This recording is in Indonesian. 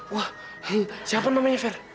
wah siapa namanya fir